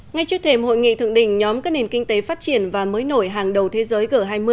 ngay trước thềm hội nghị thượng đỉnh nhóm các nền kinh tế phát triển và mới nổi hàng đầu thế giới g hai mươi